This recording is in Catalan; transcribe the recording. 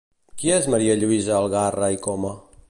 Qui és Maria Lluïsa Algarra i Coma?